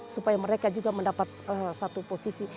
supaya mereka juga mendapat satu posisi